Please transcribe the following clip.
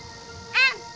うん！